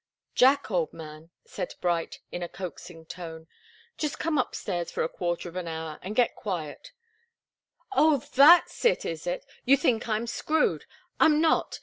"Jack, old man," said Bright, in a coaxing tone, "just come upstairs for a quarter of an hour, and get quiet " "Oh that's it, is it? You think I'm screwed. I'm not.